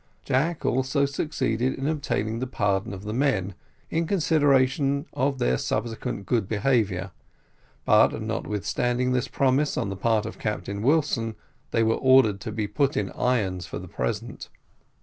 Jack also succeeded in obtaining the pardon of the men, in consideration of their subsequent good behaviour; but notwithstanding this promise on the part of Captain Wilson, they were ordered to be put in irons for the present.